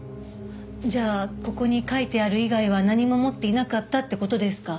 じゃあここに書いてある以外は何も持っていなかったって事ですか？